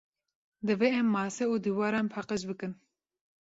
Divê em mase û dîwaran paqij bikin.